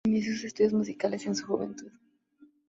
Inició sus estudios musicales en su juventud.